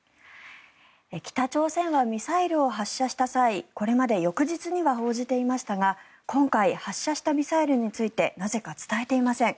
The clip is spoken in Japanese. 北朝鮮はミサイルを発射した際これまで翌日には報じていましたが今回、発射したミサイルについてなぜか伝えていません。